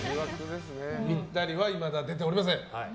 ぴったりはいまだ出ておりません。